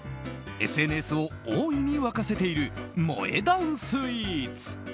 ＳＮＳを大いに沸かせている萌え断スイーツ。